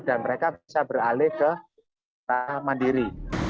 dan mereka bisa beralih ke daerah mandiri